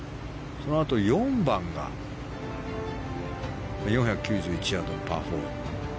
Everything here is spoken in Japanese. そのあと４番が４９１ヤードのパー４。